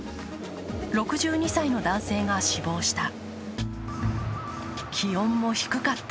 ６２歳の男性が死亡した。